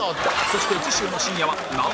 そして次週の深夜は